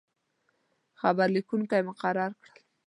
خبر لیکونکي مقرر کړل.